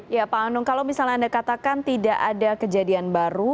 ya pak anung kalau misalnya anda katakan tidak ada kejadian baru